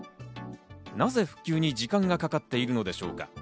なぜ復旧に時間がかかっているのでしょうか。